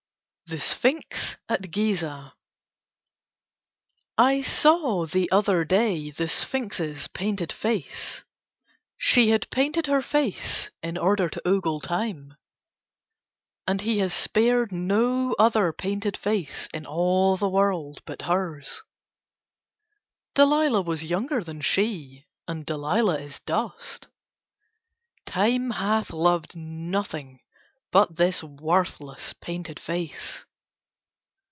THE SPHINX AT GIZEH I saw the other day the Sphinx's painted face. She had painted her face in order to ogle Time. And he has spared no other painted face in all the world but hers. Delilah was younger than she, and Delilah is dust. Time hath loved nothing but this worthless painted face.